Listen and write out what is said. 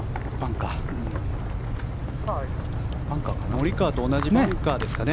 モリカワと同じバンカーですかね。